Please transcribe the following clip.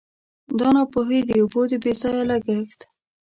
دا ناپوهي د اوبو د بې ځایه لګښت.